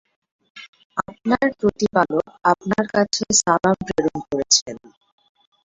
আপনার প্রতিপালক আপনার কাছে সালাম প্রেরণ করেছেন।